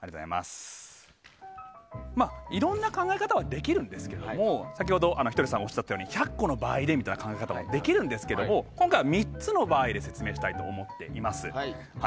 いろんな考え方はできるんですけども先ほどひとりさんがおっしゃったように１００個の場合でみたいな考え方もできるんですが今回は３つの場合で説明したいと思っています。